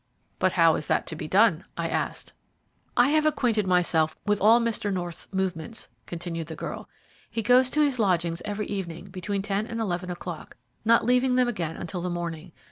"But how is that to be done?" I asked. "I have acquainted myself with all Mr. North's movements," continued the girl. "He goes to his lodgings every evening between ten and eleven o'clock, not leaving them again until the morning.